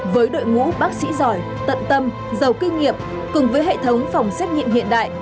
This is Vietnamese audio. với đội ngũ bác sĩ giỏi tận tâm giàu kinh nghiệm cùng với hệ thống phòng xét nghiệm hiện đại